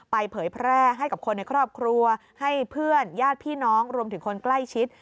เผยแพร่ให้กับคนในครอบครัวให้เพื่อนญาติพี่น้องรวมถึงคนใกล้ชิด